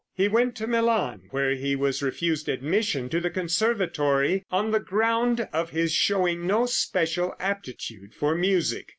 He went to Milan, where he was refused admission to the Conservatory on the ground of his showing no special aptitude for music.